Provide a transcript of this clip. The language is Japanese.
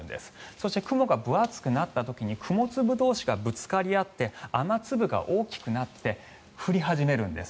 そして、雲が分厚くなった時に雲粒同士がぶつかり合って雨粒が大きくなって降り始めるんです。